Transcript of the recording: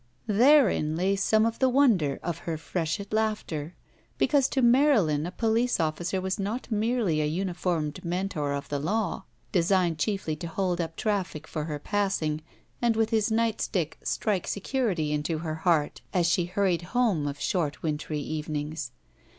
Therein lay some of the wonder of her freshet laughter. Because to Marylin a poUce officer was not merely a uniformed mentor of the law, designed chiefly to hold up traffic for her passing, and with his night stick strike security into her heart as she hurried home of short, wintry evenings.